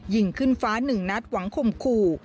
ยิงขึ้นฟ้าหนึ่งนัดหวังข่มขู่